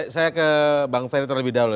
saya ke bang ferry terlebih dahulu